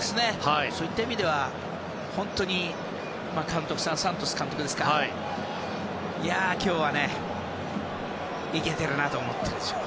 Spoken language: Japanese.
そういった意味では本当にサントス監督は今日はいけてるなと思っているでしょうね。